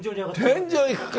天井行くか！